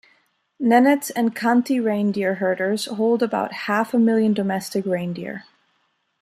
Nenets and Khanty reindeer herders hold about half a million domestic reindeer.